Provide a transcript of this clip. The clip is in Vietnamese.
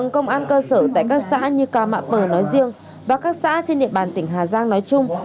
công an cơ sở tại các xã như ca mạp bờ nói riêng và các xã trên địa bàn tỉnh hà giang nói chung